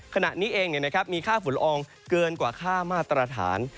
ขณะนี้เองมีค่าฝุ่นละอองเกินกว่าค่ามาตรฐาน